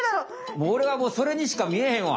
もうおれはそれにしか見えへんわ。